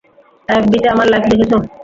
এফবিতে আমার লাইক দেখেছ?